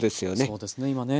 そうですね今ね。